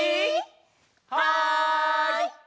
はい！